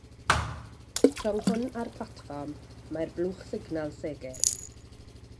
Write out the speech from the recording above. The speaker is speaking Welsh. Rhwng hwn a'r platfform mae'r blwch signal segur.